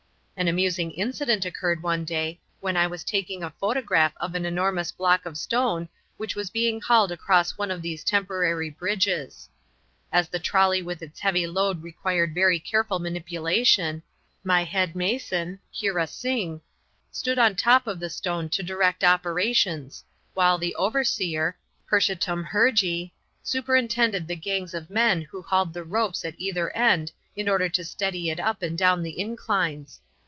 An amusing incident occurred one day when I was taking a photograph of an enormous block of stone which was being hauled across one of these temporary bridges. As the trolley with its heavy load required very careful manipulation, my head mason, Heera Singh, stood on the top of the stone to direct operations, while the overseer, Purshotam Hurjee, superintended the gangs of men who hauled the ropes at either end in order to steady it up and down the inclines.